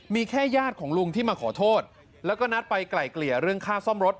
มีแค่ญาติของลุงที่มาขอโทษแล้วก็นัดไปไกล่เกลี่ยเรื่องค่าซ่อมรถ